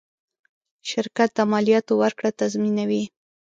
شرکت د مالیاتو ورکړه تضمینوي.